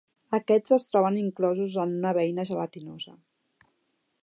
Aquests es troben inclosos en una beina gelatinosa.